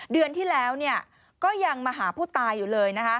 เดือนที่แล้วก็ยังมาหาผู้ตายอยู่เลย